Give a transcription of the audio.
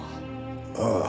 ああ。